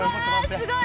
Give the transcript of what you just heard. すごい！